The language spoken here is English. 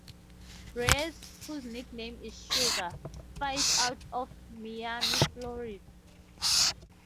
Reyes, whose nickname is "Sugar", fights out of Miami, Florida.